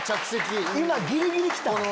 今ギリギリ来た。